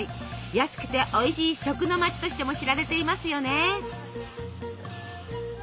安くておいしい食の街としても知られていますよね。